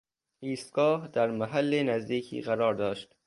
ایستگاه در محل نزدیکی قرار داشت.